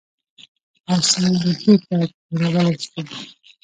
او څنګه یې بېرته تورولی شو؟